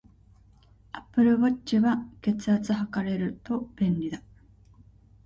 アップルウォッチは、血圧測れると便利だ